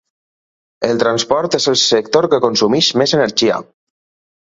El transport és el sector que consumeix més energia.